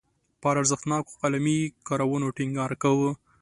پر ارزښتناکو قلمي کارونو ټینګار کاوه.